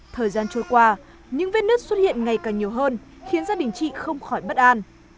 thời gian trôi qua những vết nứt xuất hiện ngày càng nhiều hơn khiến gia đình chị không khỏi bất an